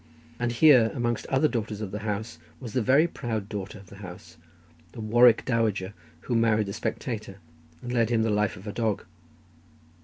And here, amongst other daughters of the house, was the very proud daughter of the house, the Warwick Dowager who married the Spectator, and led him the life of a dog.